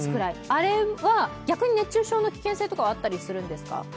あれは逆に熱中症の危険性とかはあったりするんですか？